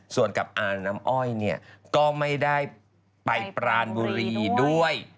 ส่วนกับอาน้ำอ้อยเนี่ยก็ไม่ได้ไปปรานบุรีด้วย